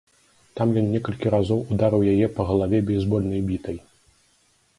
Там ён некалькі разоў ударыў яе па галаве бейсбольнай бітай.